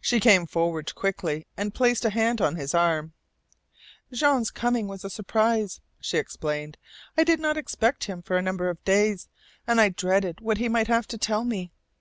She came forward quickly, and placed a hand on his arm. "Jean's coming was a surprise," she explained. "I did not expect him for a number of days, and I dreaded what he might have to tell me.